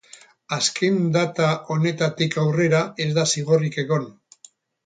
Azken data honetatik aurrera ez da zigorrik egon.